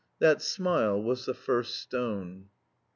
That smile was the first stone.